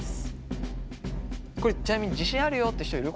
これちなみに自信あるよっていう人いる？